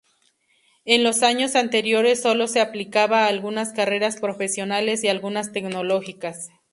En los años anteriores solo se aplicaba a algunas carreras profesionales y algunas tecnológicas.